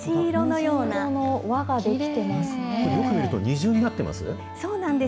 よく見ると二重になっています？